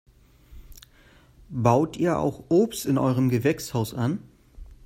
Baut ihr auch Obst in eurem Gewächshaus an?